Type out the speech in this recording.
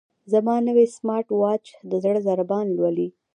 زما نوی سمارټ واچ د زړه ضربان لولي.